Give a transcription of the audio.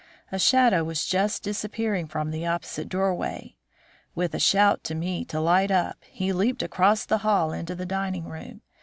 A shadow was just disappearing from the opposite doorway. With a shout to me to light up, he leaped across the hall into the dining room.